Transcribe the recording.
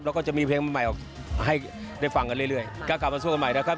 แล้วก็จะมีเพลงใหม่ออกให้ได้ฟังกันเรื่อยก็กลับมาสู้กันใหม่นะครับ